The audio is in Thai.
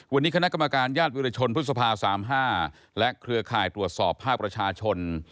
วันนี้คณะกรรมการยาศวิลชนพุทธภาพสามห้าและเครือข่ายตรวจสอบภาพประชาชน